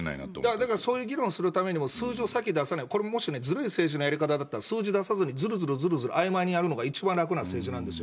だから、そういう議論するためにも、数字を先に出さないと、これずるい政治のやり方だと数字出さずにずるずるずるずる、あいまいにやるのが、一番楽な政治なんですよ。